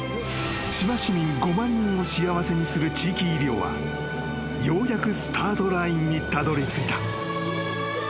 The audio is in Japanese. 志摩市民５万人を幸せにする地域医療はようやくスタートラインにたどりついた］